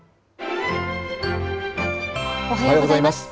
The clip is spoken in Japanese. おはようございます。